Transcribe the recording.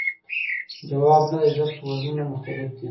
ځواب نه دی ځکه وزنونه مختلف دي.